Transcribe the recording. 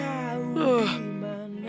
aku tak tahu